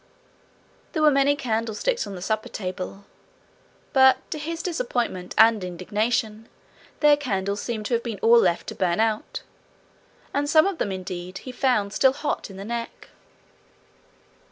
There were many candlesticks on the supper table, but to his disappointment and indignation their candles seemed to have been all left to burn out, and some of them, indeed, he found still hot in the neck.